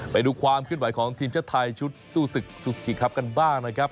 ไปดูความเคลื่อนไหวของทีมชาติไทยชุดสู้ศึกซูซิกิครับกันบ้างนะครับ